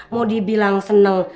mau dibilang seneng